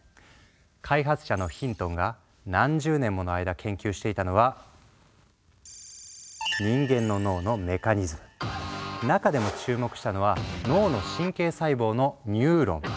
開発者のヒントンが何十年もの間研究していたのは中でも注目したのは脳の神経細胞のニューロン。